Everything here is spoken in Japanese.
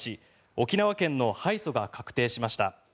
沖縄県の敗訴が確定しました。